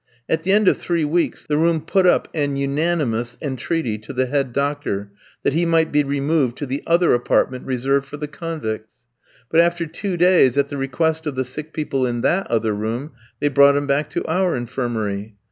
At the end of three weeks, the room put up an unanimous entreaty to the head doctor that he might be removed to the other apartment reserved for the convicts. But after two days, at the request of the sick people in that other room, they brought him back to our infirmary.